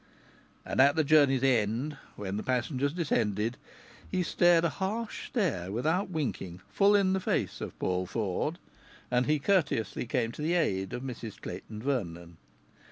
And, at the journey's end, when the passengers descended, he stared a harsh stare, without winking, full in the face of Paul Ford, and he courteously came to the aid of Mrs Clayton Vernon.